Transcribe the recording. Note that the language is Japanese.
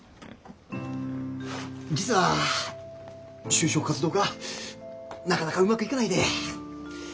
実は就職活動がなかなかうまくいかないで。